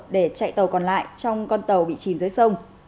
để chạy tàu còn lại trong con tàu bị chìm dưới sông